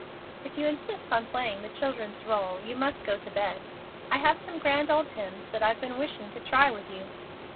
"If you insist on playing the children's role you must go to bed. I have some grand old hymns that I've been wishing to try with you."